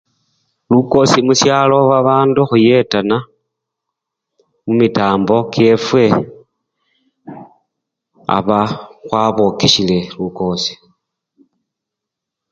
Lukosi musyalo babandu khuyetana mumitambo kyefwe aba khwokesyele lukosi.